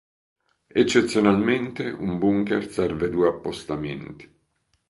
Eccezionalmente, un bunker serve due appostamenti.